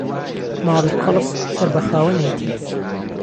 ماڵی قهڵب سهر با خاوهنێتی